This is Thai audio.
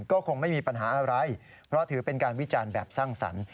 ก็คงไม่มีปัญหาอะไรเพราะถือเป็นการวิจารณ์แบบสร้างสรรค์